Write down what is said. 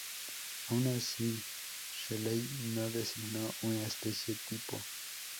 Aun así Seeley no designó una especie tipo.